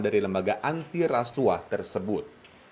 dari lembaga anti rasuah tersebut